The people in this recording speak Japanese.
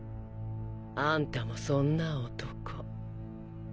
あんたもそんな男。